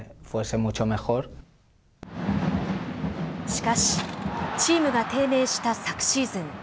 しかし、チームが低迷した昨シーズン。